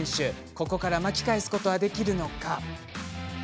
ここから巻き返すことはできるのか。